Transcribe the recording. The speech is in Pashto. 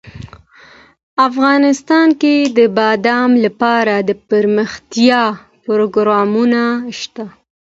افغانستان کې د بادام لپاره دپرمختیا پروګرامونه شته.